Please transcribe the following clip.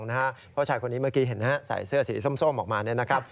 เพราะชายเมื่อกี้เห็นเสื้อสีส้มออกมา